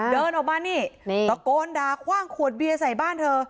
เดินออกมานี่ตะโกนด่าคว่างขวดเบียร์ใส่บ้านเธอ